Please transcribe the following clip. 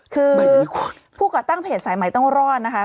คือผู้ก่อตั้งเพจสายใหม่ต้องรอดนะคะ